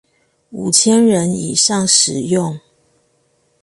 五千人以上使用